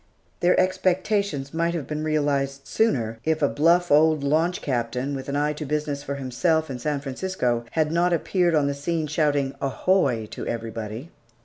Their expectations might have been realized sooner, if a bluff old launch captain, with an eye to business for himself and San Francisco, had not appeared on the scene, shouting, "Ahoy" to everybody.